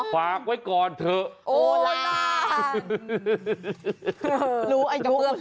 ฝากไว้ก่อนเถอะ